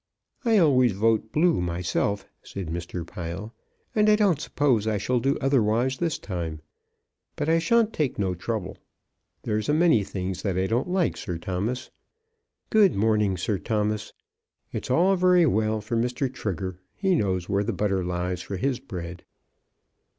"I always vote Blue myself," said Mr. Pile, "and I don't suppose I shall do otherwise this time. But I shan't take no trouble. There's a many things that I don't like, Sir Thomas. Good morning, Sir Thomas. It's all very well for Mr. Trigger. He knows where the butter lies for his bread."